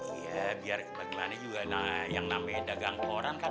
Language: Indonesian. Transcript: iya biar bagaimana juga yang namanya dagang keluaran kan